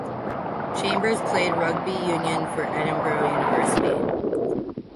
Chambers played rugby union for Edinburgh University.